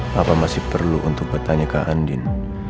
bapak masih perlu untuk bertanya ke andin